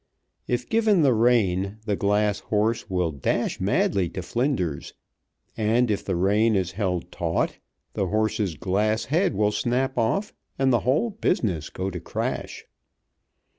If given the rein the glass horse will dash madly to flinders, and if the rein is held taut the horse's glass head will snap off and the whole business go to crash.